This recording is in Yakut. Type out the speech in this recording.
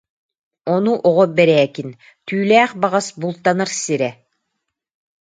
Ону Оҕо Бэрээкин: «Түүлээх баҕас бултанар сирэ»